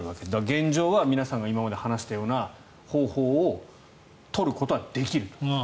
現状は今まで皆さんが話したような方法を取ることはできる。